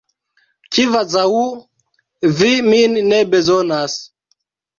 Kvazaŭ vi min ne bezonas.